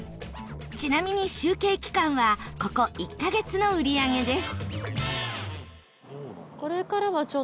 ちなみに、集計期間はここ１カ月の売り上げです